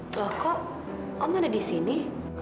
loh kok aku ada di sini